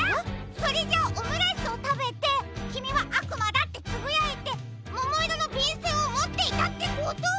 それじゃあオムライスをたべて「きみはあくまだ！」ってつぶやいてももいろのびんせんをもっていたってことは。